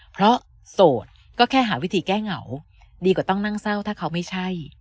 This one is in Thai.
เพราะโสดก็แค่หาวิธีแก้เหงาดีกว่าต้องนั่งเศร้าถ้าเขาไม่ใช่